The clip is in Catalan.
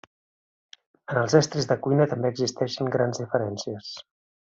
En els estris de cuina també existien grans diferències.